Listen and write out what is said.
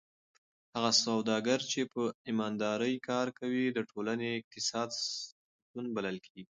هغه سوداګر چې په امانتدارۍ کار کوي د ټولنې د اقتصاد ستون بلل کېږي.